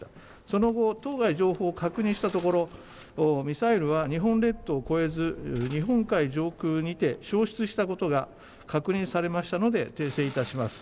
その後、当該情報を確認したところミサイルは日本列島を越えず日本海上空にて消失したことが確認されましたので訂正いたします。